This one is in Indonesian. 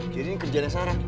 jadi ini kerjaan sarah